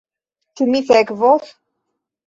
Ĉu mi sekvos?